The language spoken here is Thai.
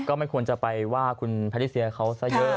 ก็ไม่ควรข่าวไปว่าคืนแพทิเซียเขาส้าเยอะ